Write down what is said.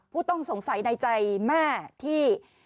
ผู้ต้องสงสัยในใจแม่ที่